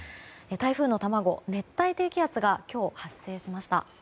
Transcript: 台風の卵、熱帯低気圧が今日、発生しました。